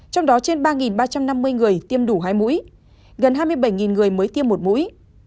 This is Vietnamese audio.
trong đó trên ba ba trăm năm mươi người tiêm đủ hai mũi gần hai mươi bảy người mới tiêm một mũi